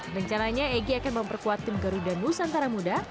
dan caranya egy akan memperkuat tim garuda nusantara muda